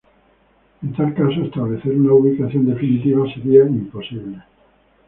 En tal caso establecer una ubicación definitiva sería imposible.